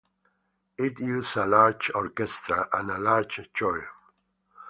It uses a large orchestra and a large choir.